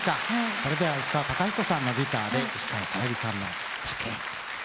それでは石川鷹彦さんのギターで石川さゆりさんの「酒よ」。